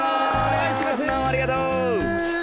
いつもありがとう！